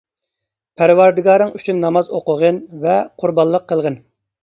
پەرۋەردىگارىڭ ئۈچۈن ناماز ئوقۇغىن ۋە قۇربانلىق قىلغىن.